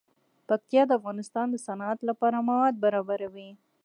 پکتیکا د افغانستان د صنعت لپاره مواد برابروي.